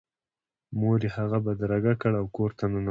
مور یې هغه بدرګه کړ او کور ته ننوتل